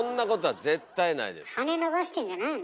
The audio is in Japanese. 羽伸ばしてんじゃないの？